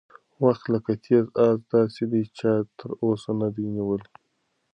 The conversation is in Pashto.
وخت لکه تېز اس داسې دی چې چا تر اوسه نه دی نیولی.